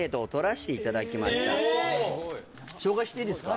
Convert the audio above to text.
ええおお紹介していいですか？